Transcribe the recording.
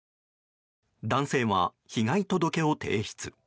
男性は被害届を提出。